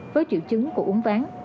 với triệu chứng của uống ván